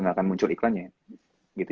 nggak akan muncul iklannya gitu